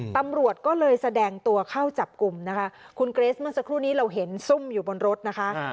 ตำรวจก็เลยแสดงตัวเข้าจับกลุ่มนะคะคุณเกรสเมื่อสักครู่นี้เราเห็นซุ่มอยู่บนรถนะคะ